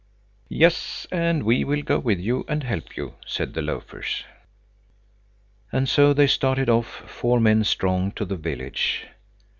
"Yes, and we will go with you and help you," said the loafers. And so they started off, four men strong, to the village.